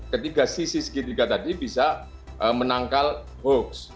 ketiga sisi segitiga tadi bisa menangkal hoax